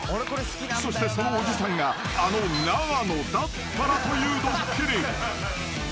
［そしてそのおじさんがあの永野だったらというドッキリ］